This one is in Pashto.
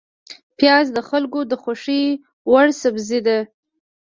پیاز د خلکو د خوښې وړ سبزی ده